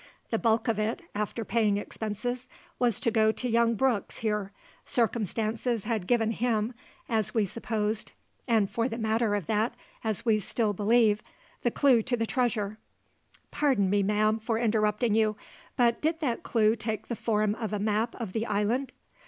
The bulk of it, after paying expenses, was to go to young Brooks, here. Circumstances had given him, as we supposed and for the matter of that, as we still believe the clue to the treasure " "Pardon me, ma'am, for interrupting you; but did that clue take the form of a map of the island?"